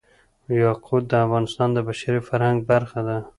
یاقوت د افغانستان د بشري فرهنګ برخه ده.